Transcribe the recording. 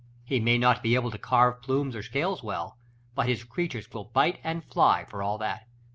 He may not be able to carve plumes or scales well; but his creatures will bite and fly, for all that.